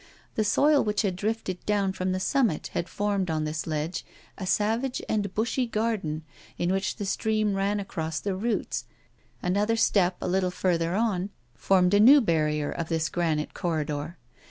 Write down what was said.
The soil which had drifted down from the summit had formed on this ledge a savage and bushy garden, in which the stream ran across the roots. Another step, a little farther on, formed a new barrier of this granite corridor.